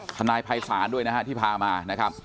ทนายภัยศาลด้วยนะฮะที่พามานะครับ